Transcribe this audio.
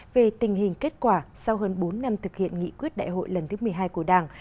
về tình hình kết quả sau hơn bốn năm thực hiện nghị quyết đại hội lần thứ một mươi hai của đảng